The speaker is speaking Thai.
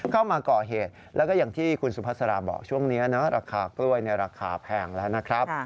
เข้ามาก่อเหตุแล้วก็อย่างที่คุณสุภาษาบอกช่วงนี้นะราคากล้วยในราคาแพงแล้วนะครับ